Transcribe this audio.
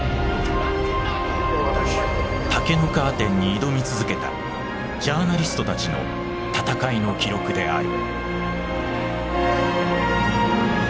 「竹のカーテン」に挑み続けたジャーナリストたちの闘いの記録である。